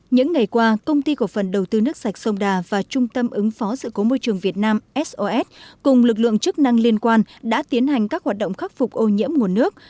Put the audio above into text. những ngày qua công ty cổ phần đầu tư nước sạch sông đà và trung tâm ứng phó sự cố môi trường việt nam sos cùng lực lượng chức năng liên quan đã tiến hành các hoạt động khắc phục ô nhiễm nguồn nước